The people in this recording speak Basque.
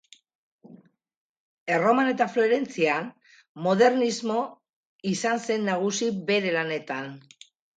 Erroman eta Florentzian modernismo izan zen nagusi bere lanetan.